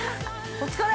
◆お疲れ！